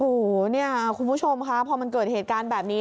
โอ้โหเนี่ยคุณผู้ชมค่ะพอมันเกิดเหตุการณ์แบบนี้